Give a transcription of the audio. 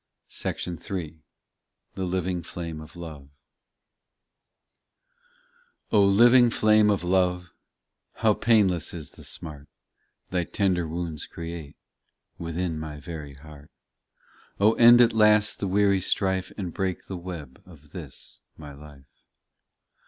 264 POEMS THE LIVING FLAME OF LOVE : O LIVING flame of love, How painless is the smart, Thy tender wounds create Within my very heart ; Oh end at last the weary strife And break the web of this my life.